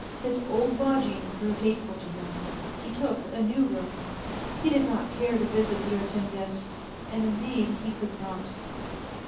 His old lodging grew hateful to him he took a new room. He did not care to visit the Artemyevs, and indeed he could not.